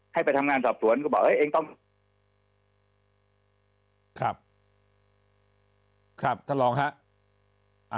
ให้ไปทำงานสอบสวนก็บอกเอ้ยเองต้องครับครับท่านรองครับ